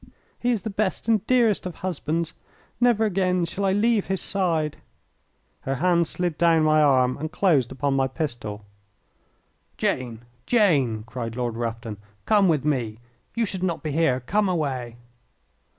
He is the best and dearest of husbands. Never again shall I leave his side." Her hands slid down my arm and closed upon my pistol. "Jane, Jane," cried Lord Rufton; "come with me. You should not be here. Come away."